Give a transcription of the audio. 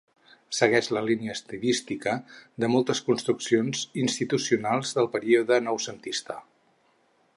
Segueix la línia estilística de moltes construccions institucionals del període noucentista.